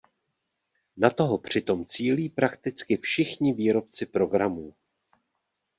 Na toho přitom cílí prakticky všichni výrobci programů.